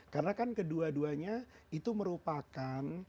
karena kan kedua duanya itu merupakan